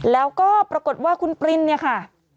แล้วก็ปรากฏว่าคุณปรินเนี่ยค่ะ